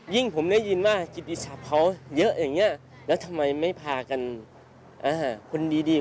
ผมได้ยินว่ากิติศัพท์เขาเยอะอย่างนี้แล้วทำไมไม่พากันคนดี